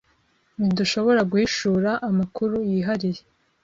Ntidushobora guhishura amakuru yihariye.